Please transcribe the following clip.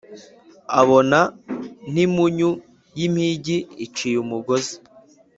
abona nimpunyu yimpigi iciye umugozi